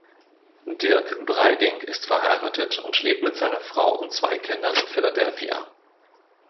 Dirk Breiding ist verheiratet und lebt mit seiner Frau und zwei Kindern in Philadelphia.